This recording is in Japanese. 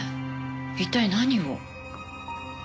一体何を？